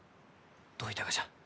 どういたがじゃ？